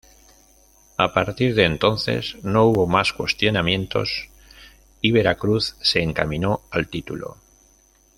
A partir de entonces no hubo más cuestionamientos y Veracruz se encaminó al título.